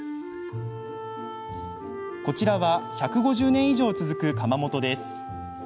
こちらは１５０年以上続く窯元です。